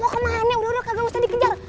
mau ke mana udah udah kagak usah dikejar